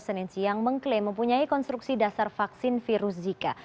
senin siang mengklaim mempunyai konstruksi dasar vaksin virus zika